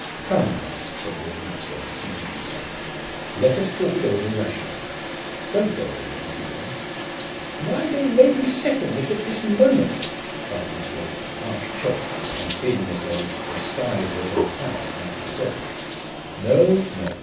"Come, now," said Lord Maxwell, seating himself; "let us talk it over rationally. Don't go, Lady Winterbourne." "Why, they may be settling it at this moment," cried Miss Raeburn, half choked, and feeling as though "the skies were impious not to fall." "No, no!"